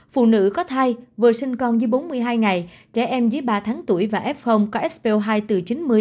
phụ nữ có thai vừa sinh con dưới bốn mươi hai ngày trẻ em dưới ba tháng tuổi và f có spo hai từ chín mươi chín mươi sáu